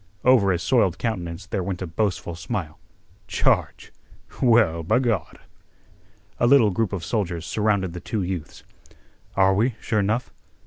Over his soiled countenance there went a boastful smile. "Charge? Well, b'Gawd!" A little group of soldiers surrounded the two youths. "Are we, sure 'nough?